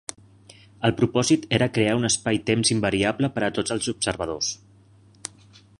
El propòsit era crear un espai-temps invariable per a tots els observadors.